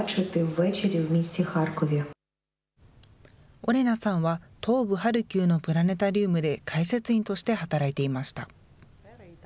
オレナさんは、東部ハルキウのプラネタリウムで解説員として働いていました。